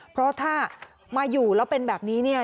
เพราะถ้ามาอยู่แล้วเป็นแบบนี้เนี่ย